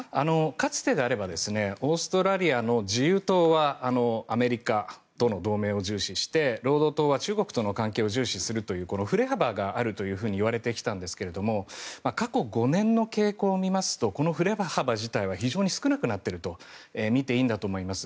かつてであればオーストラリアの自由党はアメリカとの同盟を重視して労働党は中国との関係を重視するという振れ幅があるといわれてきたんですが過去５年の傾向を見ますとこの振れ幅自体は非常に少なくなっていると見ていいんだと思います。